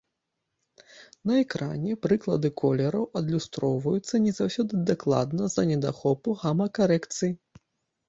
На экране прыклады колераў адлюстроўваюцца не заўсёды дакладна з-за недахопу гама-карэкцыі.